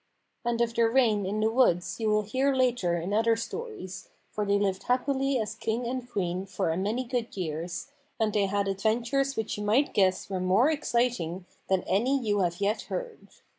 And of their reign in the woods you will hear later in other stories, for they lived happily as king and queen for a good many years, and they had adventures which you might guess were more exciting than any you have yet heard.